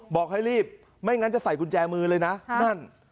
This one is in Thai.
บอกให้รีบไม่งั้นจะใส่กุญแจมือเลยนะนั่น